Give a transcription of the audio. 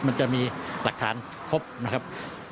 มันจะมีหลักฐานครบนะครับ